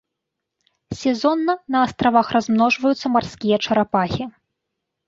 Сезонна на астравах размножваюцца марскія чарапахі.